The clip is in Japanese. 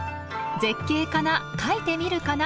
「絶景かな描いてみるかな」